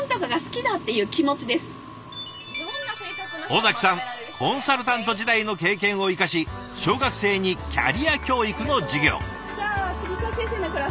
尾崎さんコンサルタント時代の経験を生かし小学生にキャリア教育の授業。